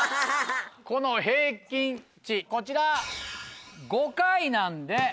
この平均値こちら。